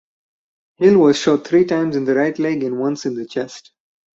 Hill was shot three times in the right leg and once in the chest.